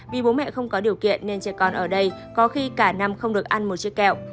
vì bố mẹ không có điều kiện nên trẻ con ở đây có khi cả năm không được ăn một chiếc kẹo